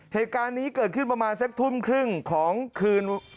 เหตุการณ์นี้เกิดขึ้นประมาณสักทุ่มครึ่งของคืน